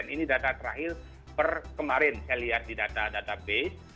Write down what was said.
ini data terakhir per kemarin saya lihat di data database